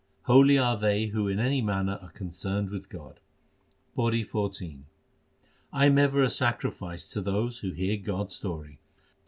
Holy are they who in any manner are concerned with God : PAURI XIV 1 am ever a sacrifice to those who hear God s story.